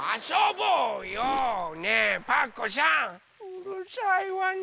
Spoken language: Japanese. うるさいわね